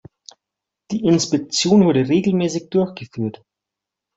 Die Inspektion wurde regelmäßig durchgeführt.